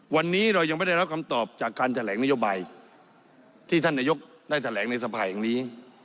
วันนี้เรายังไม่ได้รับคำตอบจากการแถลงนโยบายที่ท่านนายกได้แถลงในสภาแห่งนี้